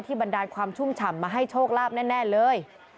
บันดาลความชุ่มฉ่ำมาให้โชคลาภแน่เลย